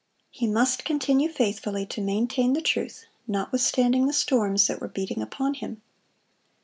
He must continue faithfully to maintain the truth, notwithstanding the storms that were beating upon him.